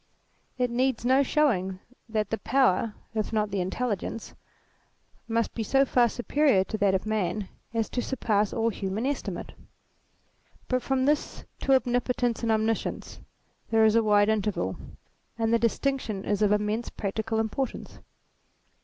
It needs no showing that the power if not the intelligence, must be so far superior to that of Man, as to surpass all human estimate. But from this to Omnipotence and Omniscience there is a wide interval. And the distinction is of immense practical im portance.